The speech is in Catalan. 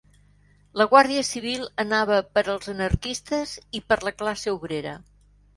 La Guàrdia Civil anava per els anarquistes i per la classe obrera